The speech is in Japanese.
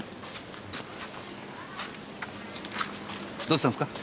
どうしたんすか？